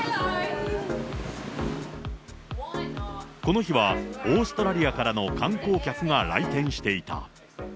この日は、オーストラリアからの観光客が来店していた。